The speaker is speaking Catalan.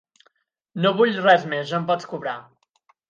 No vull res més, ja em pots cobrar.